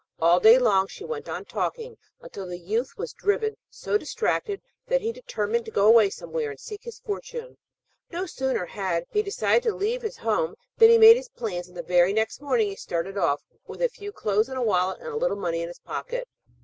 All day long she went on talking, until the youth was driven so distracted that he determined to go away somewhere and seek his fortune. No sooner had he decided to leave his home than he made his plans, and the very next morning he started off with a few clothes in a wallet, and a little money in his pocket.